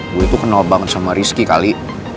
gue tuh kenal banget sama rizky kali